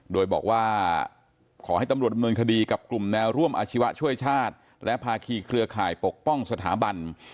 โดยบอกว่าขอให้ตำรวจดำเนินคดีกับกลุ่มแนวร่วมอาชีวะช่วยชาติและภาคีเครือข่ายปกป้องสถาบัน